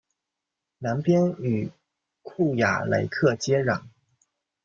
南边与库雅雷克接壤。